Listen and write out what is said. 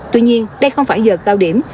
tuy nhiên đây không phải giờ cao điểm